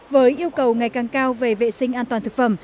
với yêu cầu ngày càng cao về vệ sinh an toàn thực phẩm